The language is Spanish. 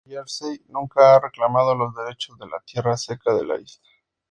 Nueva Jersey nunca ha reclamado los derechos de la tierra seca de la isla.